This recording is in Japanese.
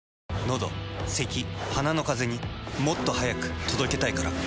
のどせき鼻のカゼにもっと速く届けたいから。